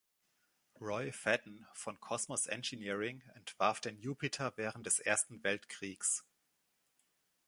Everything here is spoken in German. Roy Fedden von Cosmos Engineering entwarf den Jupiter während des Ersten Weltkriegs.